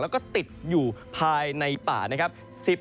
แล้วก็ติดอยู่ภายในป่านะครับ